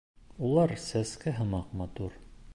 Улар сәскә һымаҡ матур...